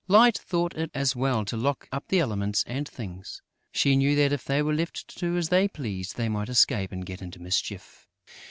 Light thought it as well to lock up the Elements and Things. She knew that, if they were left to do as they pleased, they might escape and get into mischief.